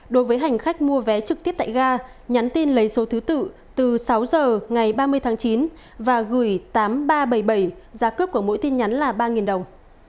đối với hành khách mua vé trực tiếp tại ga nhắn tin lấy số thứ tự từ sáu giờ ngày ba mươi tháng chín và gửi tám nghìn ba trăm bảy mươi bảy giá cước của mỗi tin nhắn là ba đồng